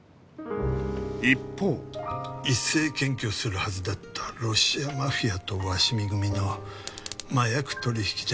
一方一斉検挙するはずだったロシアマフィアと鷲見組の麻薬取引での失態。